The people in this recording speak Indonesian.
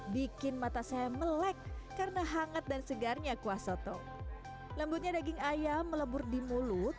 bikin mata saya melek karena hangat dan segarnya kuah soto lembutnya daging ayam melebur di mulut